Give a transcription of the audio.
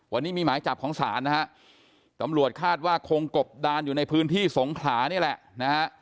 วันนี้มีหมายจับของศาลนะฮะตำรวจคาดว่าคงกบดานอยู่ในพื้นที่สงขลานี่แหละนะฮะ